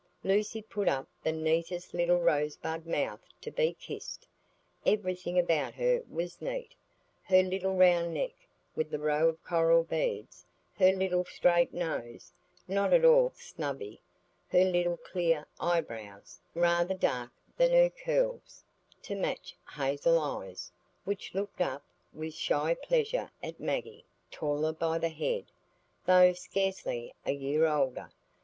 Lucy put up the neatest little rosebud mouth to be kissed; everything about her was neat,—her little round neck, with the row of coral beads; her little straight nose, not at all snubby; her little clear eyebrows, rather darker than her curls, to match hazel eyes, which looked up with shy pleasure at Maggie, taller by the head, though scarcely a year older.